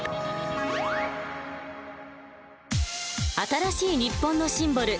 新しい日本のシンボル